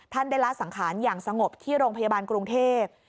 ได้ละสังขารอย่างสงบที่โรงพยาบาลกรุงเทพ